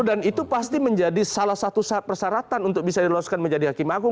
dan itu pasti menjadi salah satu persyaratan untuk bisa diloloskan menjadi hakim agung